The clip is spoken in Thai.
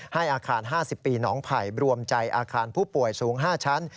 ให้อาคาร๕๐ปีหนองไผ่รวมใจอาคารผู้ป่วยสูง๕ชั้น